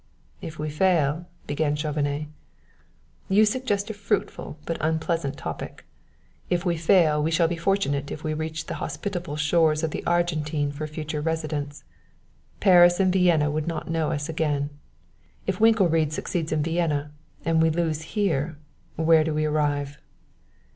"If we fail " began Chauvenet. "You suggest a fruitful but unpleasant topic. If we fail we shall be fortunate if we reach the hospitable shores of the Argentine for future residence. Paris and Vienna would not know us again. If Winkelried succeeds in Vienna and we lose here, where do we arrive?"